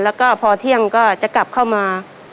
แล้วก็พอเที่ยงก็จะกลับเข้ามา